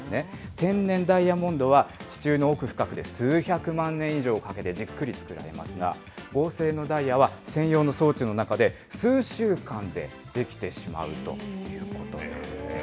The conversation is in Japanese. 天然ダイヤモンドは、地中の奥深くで数百万年以上かけてじっくり作られますが、合成のダイヤは専用の装置の中で、数週間で出来てしまうということなんです。